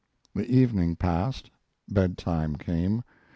The evening passed; bedtime came.